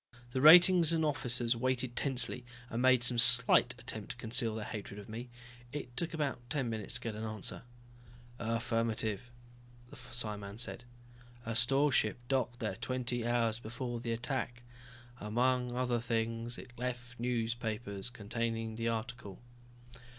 The ratings and officers waited tensely, and made some slight attempt to conceal their hatred of me. It took about ten minutes to get an answer. "Affirmative," the psiman said. "A store ship docked there twenty hours before the attack. Among other things, it left newspapers containing the article."